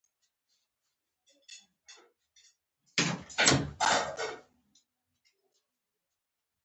زه د خپلې خاورې مینه وال یم.